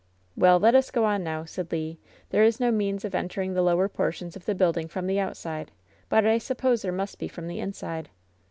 "Well, let us go on now," said JLe. ^TThere is no means of entering the lower portions of the building from the outside, but I suppose there must be from the inside."